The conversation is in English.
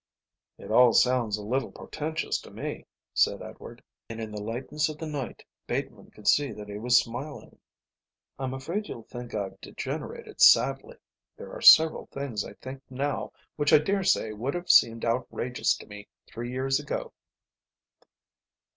"It all sounds a little portentous to me," said Edward, and in the lightness of the night Bateman could see that he was smiling. "I'm afraid you'll think I've degenerated sadly. There are several things I think now which I daresay would have seemed outrageous to me three years ago."